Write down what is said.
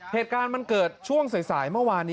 เหตุการณ์มันเกิดช่วงสายเมื่อวานนี้